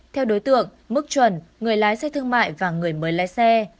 theo đối tượng mức chuẩn người lái xe thương mại và người mới lái xe